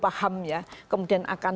paham ya kemudian akan